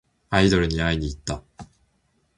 アイドルに会いにいった。